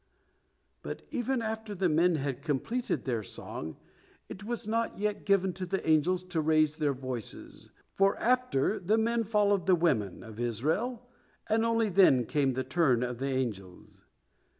But even after the men had completed their song, it was not yet given to the angels to raise their voices, for after the men followed the women of Israel, and only then came the turn of the angels.